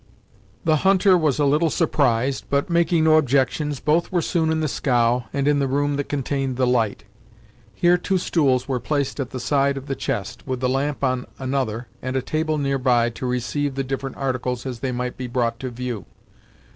The hunter was a little surprised, but, making no objections, both were soon in the scow, and in the room that contained the light. Here two stools were placed at the side of the chest, with the lamp on another, and a table near by to receive the different articles as they might be brought to view.